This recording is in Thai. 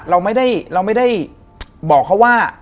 เราไม่ได้บอกเขาว่า